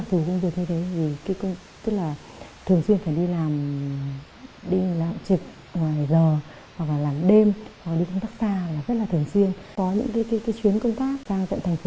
công việc vẫn cuốn tôi đi bất kỳ lúc nào